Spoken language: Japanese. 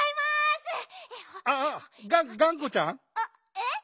えっ？